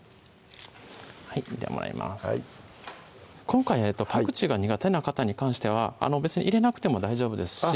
今回パクチーが苦手な方に関しては別に入れなくても大丈夫ですし